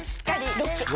ロック！